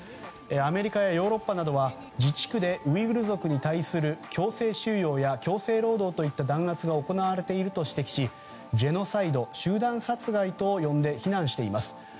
アメリカやヨーロッパなどは自治区でウイグル族に対する強制収用や強制労働といった弾圧が行われていると指摘しジェノサイド・集団殺害と呼んで非難しています。